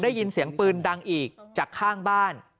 ได้ยินเสียงปืนดังอีกจากข้างบ้าน